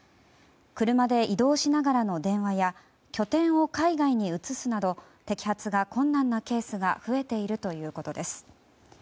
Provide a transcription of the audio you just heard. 車で移動しながらの電話や拠点を海外に移すなど摘発が困難なケースが増えているということです。